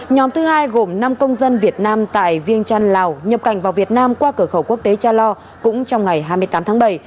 nhóm thứ hai gồm năm công dân việt nam tại viêng trăn lào nhập cảnh vào việt nam qua cửa khẩu quốc tế cha lo cũng trong ngày hai mươi tám tháng bảy